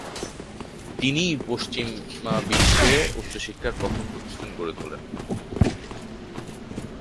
তিনিই পশ্চিমা বিশ্বে উচ্চ শিক্ষার প্রথম প্রতিষ্ঠান গড়ে তোলেন।